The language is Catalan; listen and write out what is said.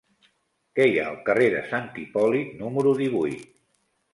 Què hi ha al carrer de Sant Hipòlit número divuit?